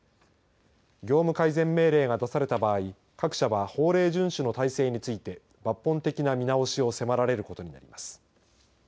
業務改善命令が出された場合各社は法令順守の体制について抜本的な見直しを迫られることになります。